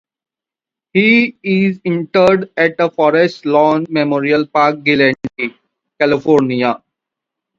He is interred at the Forest Lawn Memorial Park in Glendale, California.